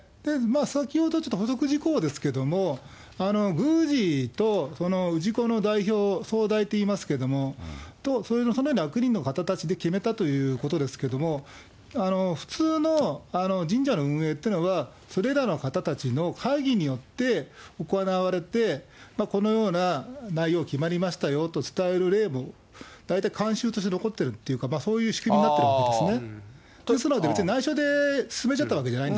先ほどちょっとほそく事項ですけれども、宮司と氏子の代表、総代といいますけども、そのような役員の方たちで、決めたということですけれども、普通の神社の運営っていうのは、それらの方たちの会議によって行われて、このような内容決まりましたよという伝える例もだいたいかんしゅうとして残ってるっていうか、そういう仕組みになってるわけですね。